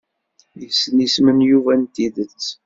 Yessen isem n Yuba n tidet?